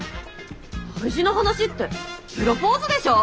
大事な話ってプロポーズでしょ！？